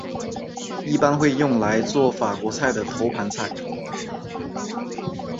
一般会用来作法国菜的头盘菜。